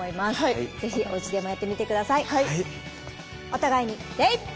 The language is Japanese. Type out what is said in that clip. お互いに礼！